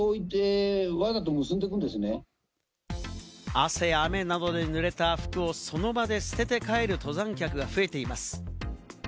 汗や雨などでぬれた服をその場で捨てて帰る登山客が増えています。